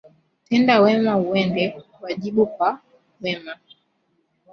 Tenda wema uende, wajibu kwa wema